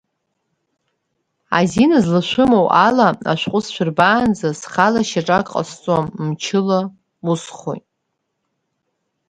Азин злашәымоу ала ашәҟәы сшәырбаанӡа, схала шьаҿак ҟасҵом, мчыла усхоит.